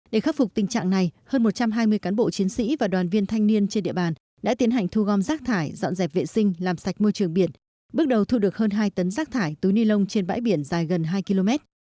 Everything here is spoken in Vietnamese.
để khắc phục tình trạng này hơn một trăm hai mươi cán bộ chiến sĩ và đoàn viên thanh niên trên địa bàn đã tiến hành thu gom rác thải dọn dẹp vệ sinh làm sạch môi trường biển bước đầu thu được hơn hai tấn rác thải túi ni lông trên bãi biển dài gần hai km